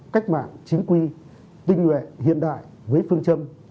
cách mạng chính quy tinh nguyện hiện đại với phương châm